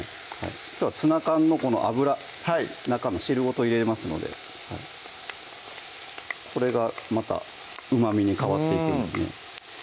きょうはツナ缶のこの油中の汁ごと入れますのでこれがまたうまみに変わっていくんですね